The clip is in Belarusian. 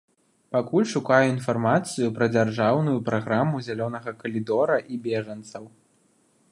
Пакуль шукаю інфармацыю пра дзяржаўную праграму зялёнага калідора і бежанцаў.